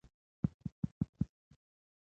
زه د دین پوهني سره علاقه لرم.